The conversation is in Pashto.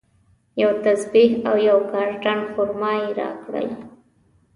یوه تسبیج او یو کارټن خرما یې راکړل.